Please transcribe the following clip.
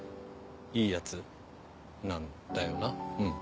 いいヤツなんだよなうん。